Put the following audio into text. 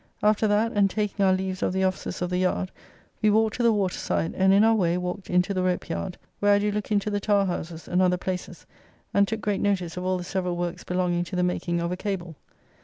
After that and taking our leaves of the officers of the yard, we walked to the waterside and in our way walked into the rope yard, where I do look into the tar houses and other places, and took great notice of all the several works belonging to the making of a cable.